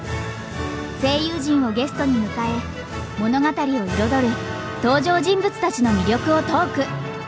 声優陣をゲストに迎え物語を彩る登場人物たちの魅力をトーク。